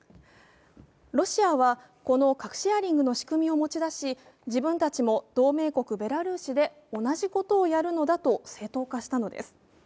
ロシアはこの核シェアリングの仕組みを持ち出し、自分たちも同盟国・ベラルーシで同じことをやるのだと正当化したのです。